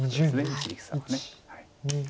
一力さんは。